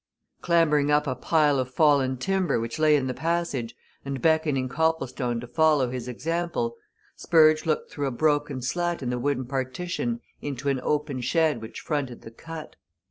Clambering up a pile of fallen timber which lay in the passage and beckoning Copplestone to follow his example, Spurge looked through a broken slat in the wooden partition into an open shed which fronted the Cut.